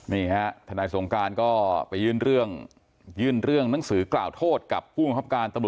นี่ฮะทนายสงการก็ไปยื่นเรื่องยื่นเรื่องนังสือกล่าวโทษกับผู้มีความความความการ